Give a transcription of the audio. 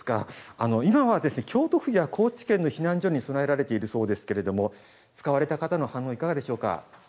あの今はですね京都府や高知県の避難所に備えられているそうですけれども使われた方の反応いかがでしょうか？